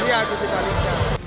iya ketik balik